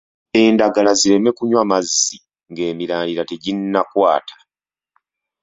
Endagala zireme kunywa mazzi ng’emirandira teginnakwata.